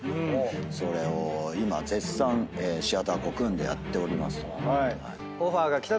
それを今絶賛シアターコクーンでやっております。